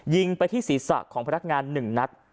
ยิงไปที่ศีรษะของพนักงาน๑นัด